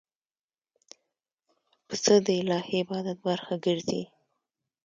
پسه د الهی عبادت برخه ګرځي.